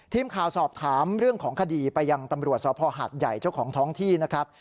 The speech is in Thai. ทีมข่าวสอบถามเรื่องของคดีไปยังตำรวจสภหาดใหญ่เจ้าของท้องที่นะครับ